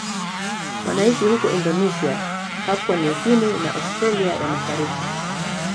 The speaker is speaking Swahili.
Wanaishi huko Indonesia, Papua New Guinea na Australia ya Mashariki.